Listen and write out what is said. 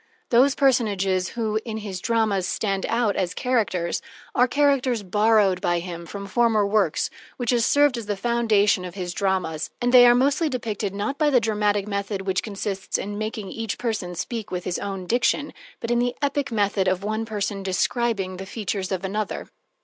Those personages who, in his dramas, stand out as characters, are characters borrowed by him from former works which have served as the foundation of his dramas, and they are mostly depicted, not by the dramatic method which consists in making each person speak with his own diction, but in the epic method of one person describing the features of another.